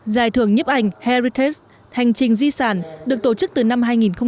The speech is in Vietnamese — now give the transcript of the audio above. giải thưởng nhếp ảnh heritage hành trình di sản được tổ chức từ năm hai nghìn một mươi ba